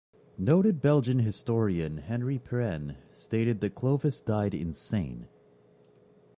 Noted Belgian historian Henri Pirenne stated that Clovis died insane.